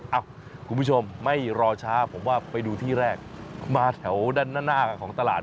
คุณผู้ชมไม่รอช้าผมว่าไปดูที่แรกมาแถวด้านหน้าของตลาด